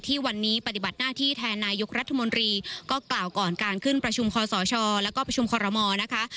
วันนี้ปฏิบัติหน้าที่แทนนายกรัฐมนตรีก็กล่าวก่อนการขึ้นประชุมคอสชแล้วก็ประชุมคอรมอนะคะ